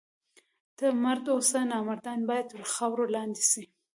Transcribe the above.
ته مرد اوسه! نامردان باید تر خاورو لاندي سي.